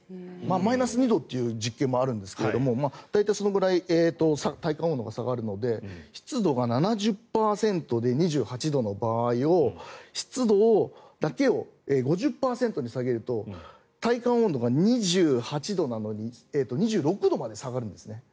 マイナス２度という実験もあるんですが大体そのぐらい体感温度が下がるので湿度が７０％で２８度の場合を湿度だけを５０％に下げると体感温度が２８度なのに２６度まで下がるんですね。